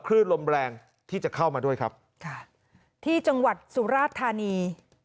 คลื่นลมแรงที่จะเข้ามาด้วยครับค่ะที่จังหวัดสุราชธานี